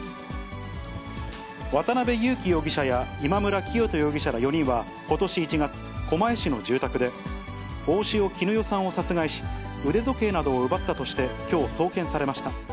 渡辺優樹容疑者や今村磨人容疑者ら４人はことし１月、狛江市の住宅で、大塩衣与さんを殺害し、腕時計などを奪ったとして、きょう、送検されました。